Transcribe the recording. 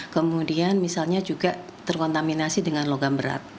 kemudian misalnya juga terkontaminasi dengan logam berat